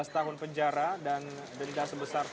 tiga belas tahun penjara dan denda sebesar tujuh ratus